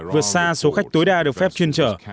vượt xa số khách tối đa được phép chuyên chở